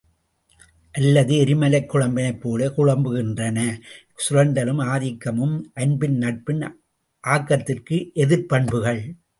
அல்லது எரிமலைக் குழம்பினைப் போல குழம்புகின்றன, சுரண்டலும் ஆதிக்கமும் அன்பின் நட்பின் ஆக்கத்திற்கு எதிர்பண்புகள்!